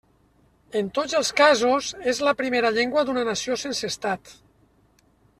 En tots els casos és la primera llengua d'una nació sense Estat.